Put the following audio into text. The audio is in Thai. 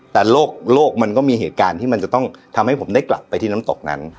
แต่โลกมันก็มีเหตุการณ์ที่มันจะต้องทำให้ผมได้กลับไปที่น้ำตกนั้น